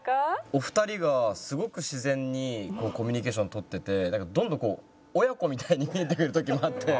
お二人がすごく自然にコミュニケーションを取っててどんどん親子みたいに見えてくる時もあって。